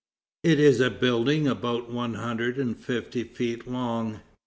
It is a building about one hundred and fifty feet long.